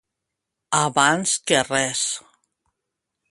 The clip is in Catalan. Abans que res.